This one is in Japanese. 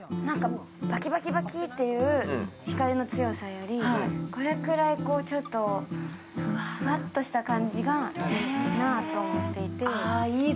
バキバキバキっていう光の強さより、これくらい、ちょっとふわっとした感じがいいなと思っていて。